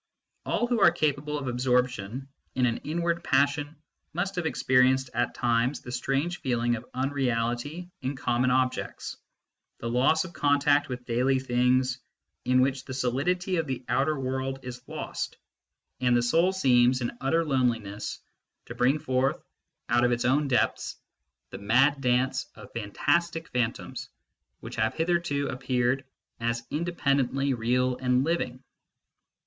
All who are capable of absorption in an inward passion must have experienced at times the strange feeling of unreality in common objects, the loss of contact with daily things, in which the solidity of the outer world is lost, and the soul MYSTICISM AND LOGIC 9 seems, in utter loneliness, to bring forth, out of its own depths, the mad dance of fantastic phantoms which have hitherto appeared as independently real and living.